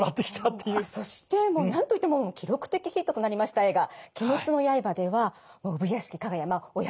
そしてもう何と言っても記録的ヒットとなりました映画「鬼滅の刃」では産屋敷耀哉